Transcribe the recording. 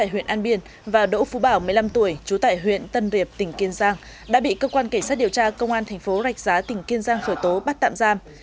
nguyễn an biên và đỗ phú bảo một mươi năm tuổi trú tại huyện tân riệp tỉnh kiên giang đã bị cơ quan kể sát điều tra công an tp rạch giá tỉnh kiên giang khởi tố bắt tạm giam